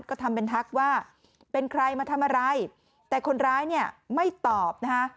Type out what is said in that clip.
ก็ทำเป็นทักว่าเป็นใครมาทำอะไรแต่คนร้ายเนี่ยไม่ตอบนะคะ